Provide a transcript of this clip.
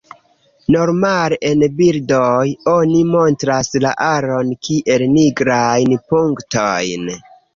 Normale en bildoj, oni montras la aron kiel nigrajn punktojn.